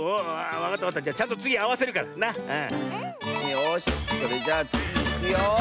よしそれじゃあつぎいくよ。